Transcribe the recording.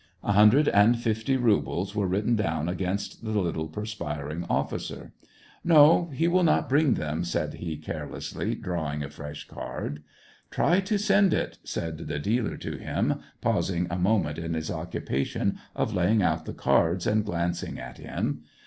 A hundred and fifty rubles were written down against the little, perspiring officer. " No, he will not bring them," said he, care lessly, drawing a fresh card. " Try to send it," said the dealer to him, paus ing a moment in his occupation of laying out the cards, and glancing at him.